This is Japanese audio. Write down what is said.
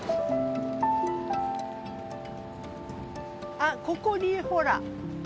あっここにほら。